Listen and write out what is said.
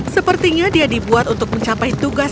sepertinya dia dibuat untuk mencapai tugas